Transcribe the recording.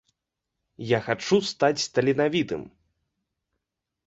Я хачу стаць таленавітым!